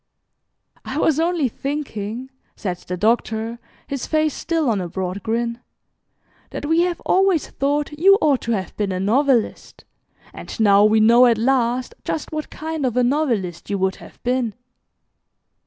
"I was only thinking," said the Doctor, his face still on a broad grin, "that we have always thought you ought to have been a novelist, and now we know at last just what kind of a novelist you would have been."